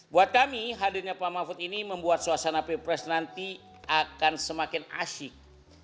buat kami hadirnya pak mahfud ini membuat suasana pilpres nanti akan semakin asyik